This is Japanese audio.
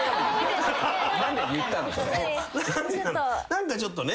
何かちょっとね。